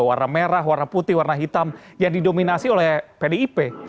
warna merah warna putih warna hitam yang didominasi oleh pdip